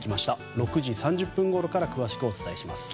６時３０分ごろから詳しくお伝えします。